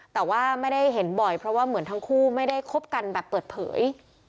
แต่ว่าไม่ได้เห็นบ่อยเพราะว่าเหมือนทั้งคู่ไม่ได้คบกันแบบเปิดเผย